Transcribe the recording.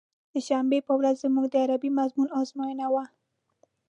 د شنبې په ورځ زموږ د عربي مضمون ازموينه وه.